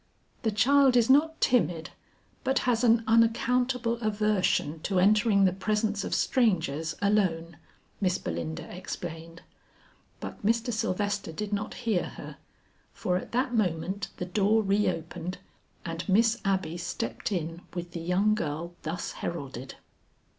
"The child is not timid but has an unaccountable aversion to entering the presence of strangers alone," Miss Belinda explained; but Mr. Sylvester did not hear her, for at that moment the door re opened and Miss Abby stepped in with the young girl thus heralded.